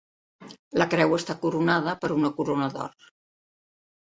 La creu està coronada per una corona d'or.